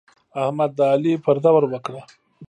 احمد د علي پرده ور وکړه.